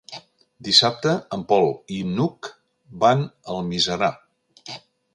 Dissabte en Pol i n'Hug van a Almiserà.